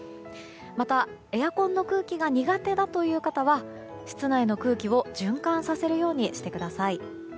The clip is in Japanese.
また、エアコンの空気が苦手だという方は室内の空気を循環させるようにしてください。